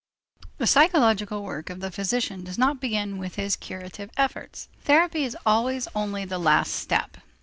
The psychological work of the physician does not begin with his curative efforts. Therapy is always only the last step.